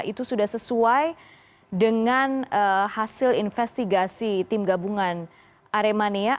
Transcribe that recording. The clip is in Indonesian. itu sudah sesuai dengan hasil investigasi tim gabungan aremania